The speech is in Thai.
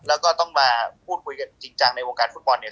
แล้วก็ต้องมาพูดคุยกันจริงจังในวงการฟุตบอลเนี่ย